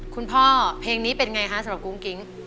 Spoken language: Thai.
คุณพ่อเพลงนี้เป็นไงคะสำหรับกุ้งกิ๊ง